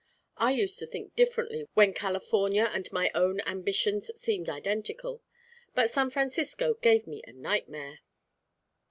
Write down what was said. I used to think differently when California and my own ambitions seemed identical; but San Francisco gave me a nightmare."